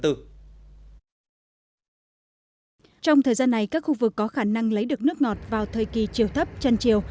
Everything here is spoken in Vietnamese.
trong thời gian này các khu vực có khả năng lấy được nước ngọt vào thời kỳ chiều thấp chân chiều